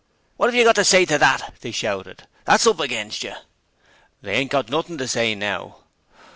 'What have you got to say to that?' they shouted. 'That's up against yer!' 'They ain't got nothing to say now.'